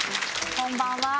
こんばんは。